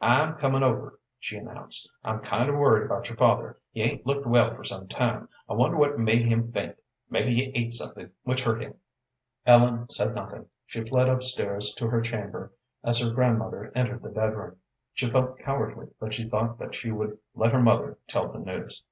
"I'm comin' over," she announced. "I'm kind of worried about your father; he 'ain't looked well for some time. I wonder what made him faint. Maybe he ate something which hurt him." Ellen said nothing. She fled up stairs to her chamber, as her grandmother entered the bedroom. She felt cowardly, but she thought that she would let her mother tell the news.